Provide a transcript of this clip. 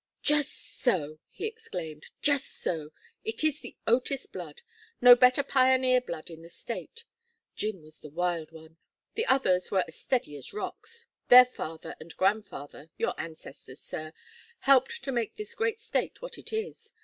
"Just so!" he exclaimed. "Just so! It is the Otis blood. No better pioneer blood in the State. Jim was the wild one. The others were as steady as rocks. Their father and grandfather your ancestors, sir helped to make this great State what it is.